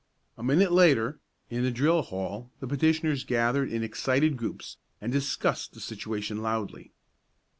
A minute later, in the drill hall, the petitioners gathered in excited groups, and discussed the situation loudly.